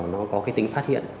nó có cái tính phát hiện